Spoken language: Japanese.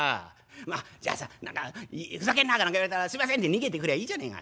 「まあじゃあさ何か『ふざけんな』なんか言われたら『すいません』って逃げてくりゃいいじゃねえか」。